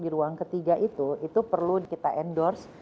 di ruang ketiga itu itu perlu kita endorse